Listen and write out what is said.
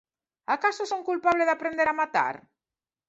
¿Acaso son culpable de aprender a matar?